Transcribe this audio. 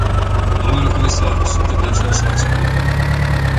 Dle comisar, suntem de aceeași naționalitate.